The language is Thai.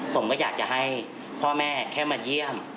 ผมก็อยากจะให้พ่อแม่แค่มาเยี่ยม